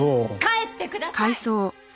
帰ってください！